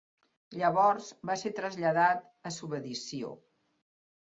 Llavors va ser traslladat a subedició.